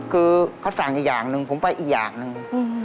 คือเขาสั่งอีกอย่างหนึ่งผมไปอีกอย่างหนึ่ง